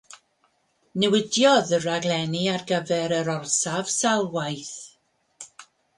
Newidiodd y rhaglenni ar gyfer yr orsaf sawl gwaith.